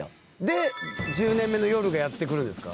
で「１０年目の夜」がやって来るんですか？